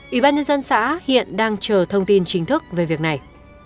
ubnd xã hiện đang chờ thông tin chính thức về việc này